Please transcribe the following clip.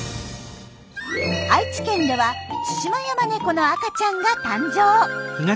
愛知県ではツシマヤマネコの赤ちゃんが誕生。